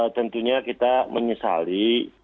tentunya kita menyesali